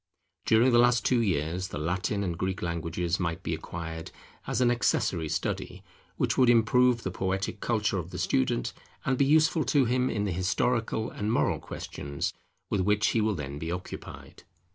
During the last two years the Latin and Greek languages might be acquired, as an accessory study, which would improve the poetic culture of the student, and be useful to him in the historical and moral questions with which he will then be occupied.